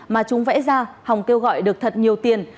mà chúng vẽ ra hồng kêu gọi được thật nhiều tiền